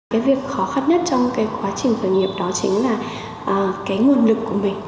cái việc khó khăn nhất trong cái quá trình khởi nghiệp đó chính là cái nguồn lực của mình